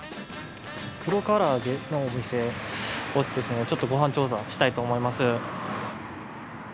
黒から揚げのお店ご飯調査したいと思います。